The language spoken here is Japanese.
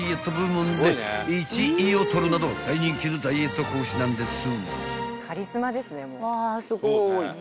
［を取るなど大人気のダイエット講師なんです］